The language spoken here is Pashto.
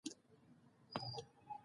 دوی به دواړه وي سپاره اولس به خر وي.